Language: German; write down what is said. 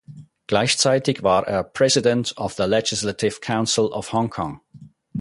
Gleichzeitig war er President of the Legislative Council of Hong Kong.